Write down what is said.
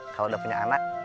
kalau udah punya anak